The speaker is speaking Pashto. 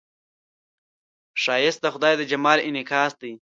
ښایست د خدای د جمال انعکاس دی